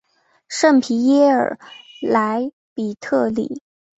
圣皮耶尔莱比特里。